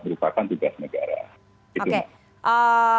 merupakan tugas negara oke itu maksudnya